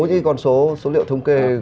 những con số số liệu thông kê của